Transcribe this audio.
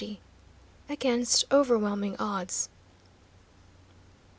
AGAINST OVERWHELMING ODDS.